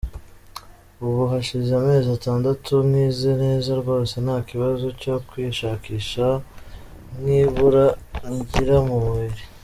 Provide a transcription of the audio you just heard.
Ubu hashize amezi atandatu nkize neza rwose ntakibazo cyo kwishakisha nkibura nkigira mu buriri.